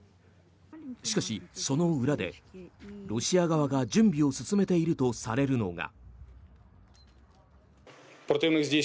しかし、その裏でロシア側が準備を進めているとされるのが。